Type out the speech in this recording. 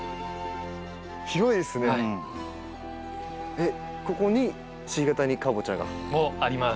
えっここに鹿ケ谷かぼちゃが？もあります。